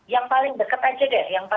yang paling dekat saja deh